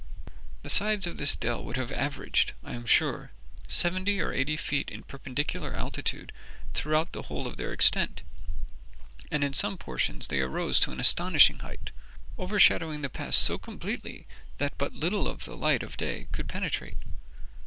The sides of this dell would have averaged, I am sure, seventy or eighty feet in perpendicular altitude throughout the whole of their extent, and in some portions they arose to an astonishing height, overshadowing the pass so completely that but little of the light of day could penetrate.